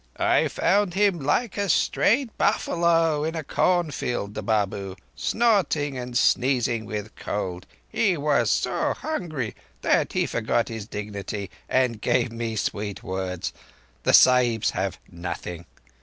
"I found him like a strayed buffalo in a cornfield—the Babu; snorting and sneezing with cold. He was so hungry that he forgot his dignity and gave me sweet words. The Sahibs have nothing."